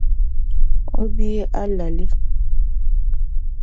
O bia alali.